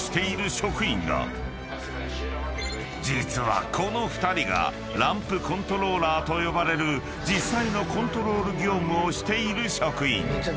［実はこの２人がランプコントローラーと呼ばれる実際のコントロール業務をしている職員］